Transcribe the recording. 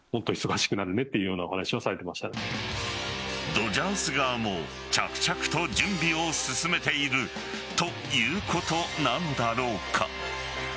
ドジャース側も着々と準備を進めているということなのだろうか。